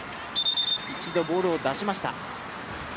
一度、ボールを出しました。